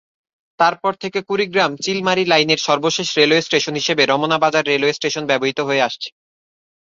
তার পর থেকে কুড়িগ্রাম-চিলমারী লাইনের সর্বশেষ রেলওয়ে স্টেশন হিসেবে রমনা বাজার রেলওয়ে স্টেশন ব্যবহৃত হয়ে আসছে।